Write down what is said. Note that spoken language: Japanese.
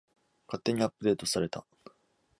勝手にアップデートされた